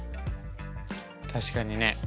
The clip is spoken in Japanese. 確かにね。